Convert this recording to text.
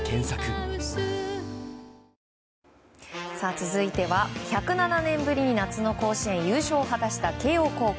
続いては１０７年ぶりに夏の甲子園優勝を果たした慶応高校。